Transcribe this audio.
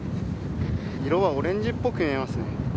色はオレンジっぽく見えますね。